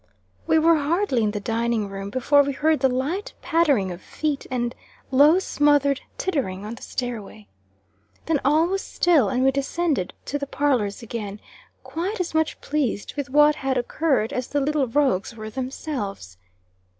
We were hardly in the dining room before we heard the light pattering of feet, and low, smothered tittering on the stairway. Then all was still, and we descended to the parlors again, quite as much pleased with what had occurred as the little rogues were themselves.